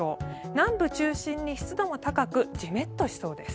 南部中心に湿度も高くジメッとしそうです。